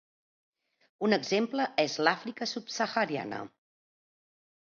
Un exemple és l'Àfrica subsahariana.